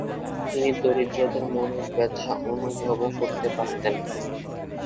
তিনি দরিদ্রদের মনের ব্যথা অনুভবও করতে পারতেন।